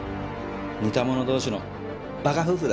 似た者同士の馬鹿夫婦だ。